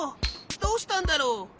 どうしたんだろう？